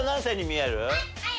はい！